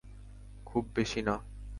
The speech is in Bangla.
খুব বেশি না।